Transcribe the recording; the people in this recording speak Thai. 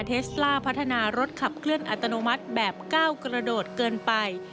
เทสล่าพัฒนารถขับเคลื่อนอัตโนมัติแบบก้าวกระโดดเกินไป